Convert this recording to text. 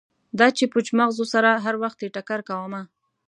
دا چې پوچ مغزو سره هروختې ټکر کومه